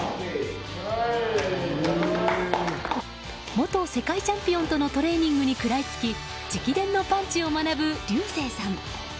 元世界チャンピオンとのトレーニングに食らいつき直伝のパンチを学ぶ流星さん。